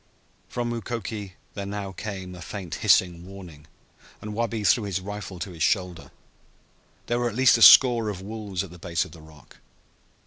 From Mukoki there now came a faint hissing warning, and Wabi threw his rifle to his shoulder. There were at least a score of wolves at the base of the rock.